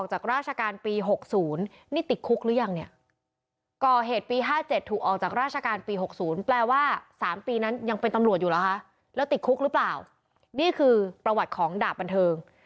หรือเปล่านี่คือประวัติของดาบบันเทิง